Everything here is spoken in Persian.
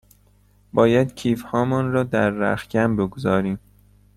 باید کیف هامان را در رختکن بگذاریم.